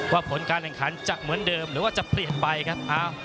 ผลการแข่งขันจะเหมือนเดิมหรือว่าจะเปลี่ยนไปครับ